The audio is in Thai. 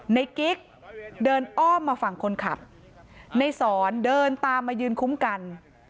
กิ๊กเดินอ้อมมาฝั่งคนขับในสอนเดินตามมายืนคุ้มกัน